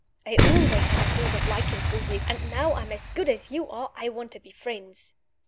I always had a sort of liking for you, and (now I'm as good as you are) I want to be friends."